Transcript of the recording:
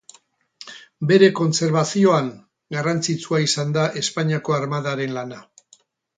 Bere kontserbazioan, garrantzitsua izan da Espainiako Armadaren lana.